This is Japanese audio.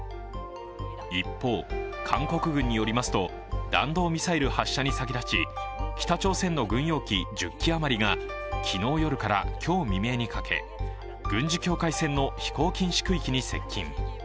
一方、韓国軍によりますと、弾道ミサイル発射に先立ち、北朝鮮の軍用機１０機余りが昨日夜から今日未明にかけ、軍事境界線の飛行禁止区域に接近。